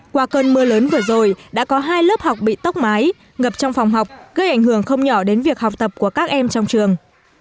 qua cơn mưa lớn vừa rồi đã có hai lớp học bị tốc mái ngập trong phòng học gây ảnh hưởng không nhỏ đến việc học tập của các em trong trường